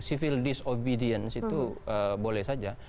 civil disobedience itu boleh saja